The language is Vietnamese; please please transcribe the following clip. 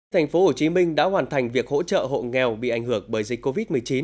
thành phố hồ chí minh đã hoàn thành việc hỗ trợ hộ nghèo bị ảnh hưởng bởi dịch covid một mươi chín